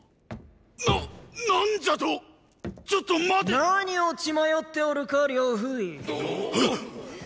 なっ何じゃとォ⁉ちょっと待てっ！何を血迷っておるか呂不韋！